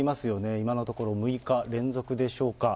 今のところ６日連続でしょうか。